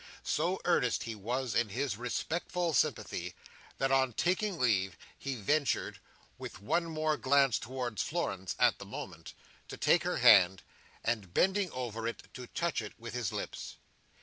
So earnest he was in his respectful sympathy, that on taking leave, he ventured—with one more glance towards Florence at the moment—to take her hand, and bending over it, to touch it with his lips.